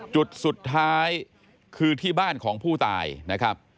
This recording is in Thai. จุดสุดท้ายคือที่บ้านของผู้ตายนะครับ